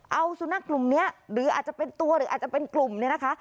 เอาสุนัขกลุ่มนี้หรืออาจจะเป็นตัวหรืออาจจะเป็นกลุ่มเนี่ยนะคะ